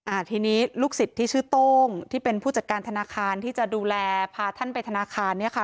อ่าทีนี้ลูกศิษย์ที่ชื่อโต้งที่เป็นผู้จัดการธนาคารที่จะดูแลพาท่านไปธนาคารเนี่ยค่ะ